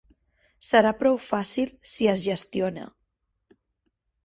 Serà prou fàcil si es gestiona.